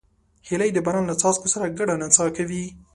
هیلۍ د باران له څاڅکو سره ګډه نڅا کوي